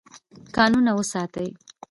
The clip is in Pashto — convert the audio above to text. کانونه وساتئ.